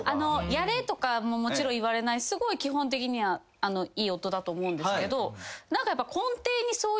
やれとかももちろん言われないしすごい基本的にはいい夫だと思うんですけど。